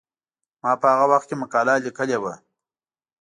ما په هغه وخت کې مقاله لیکلې وه.